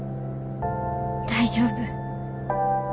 大丈夫。